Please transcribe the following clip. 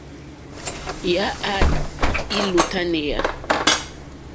Yà á !lútánéá.